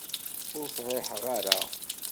Ur friḥeɣ ara.